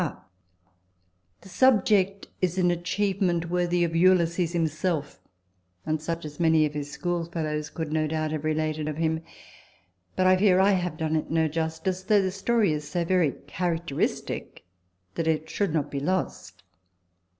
TABLE TALK OF SAMUEL ROGERS 151 The subject is an achievement worthy of Ulysses himself, and such as many of his school fellows could, no doubt, have related of him ; but, I fear, I have done it no justice, though the story is so very characteristic that it should not be lost.